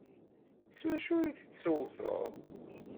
S wacu ay tettewteḍ?